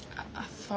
そう。